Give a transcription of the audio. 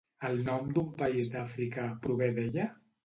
El nom d'un país d'Àfrica prové d'ella?